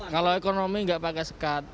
kalau ekonomi nggak pakai sekat